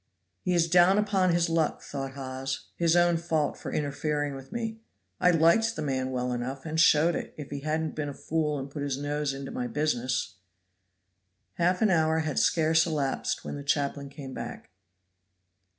"He is down upon his luck," thought Hawes; "his own fault for interfering with me. I liked the man well enough, and showed it, if he hadn't been a fool and put his nose into my business." Half an hour had scarce elapsed when the chaplain came back.